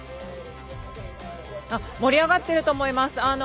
盛り上がってると思います。